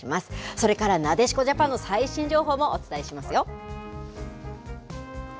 それから、なでしこジャパンの最新情報もお伝えしますよ。